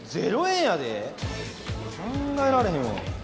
考えられへんわ。